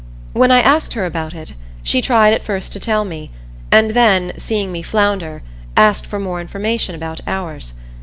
When I asked her about it, she tried at first to tell me, and then, seeing me flounder, asked for more information about ours.